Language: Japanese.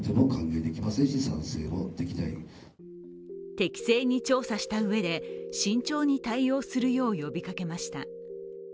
適正に調査したうえで慎重に対応するよう呼びかけました。